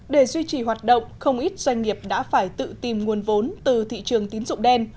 để duy trì hoạt động không ít doanh nghiệp đã phải tự tìm nguồn vốn từ thị trường tín dụng đen